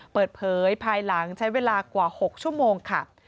เปิดเผยภายหลังใช้เวลากว่า๖ชั่วโมงค่ะ